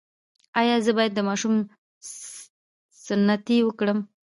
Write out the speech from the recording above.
ایا زه باید د ماشوم سنتي وکړم؟